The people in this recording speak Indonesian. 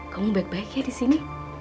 kamu baik baik ya disini